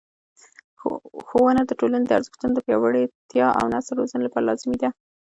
ښوونه د ټولنې د ارزښتونو د پیاوړتیا او نسل روزنې لپاره لازمي ده.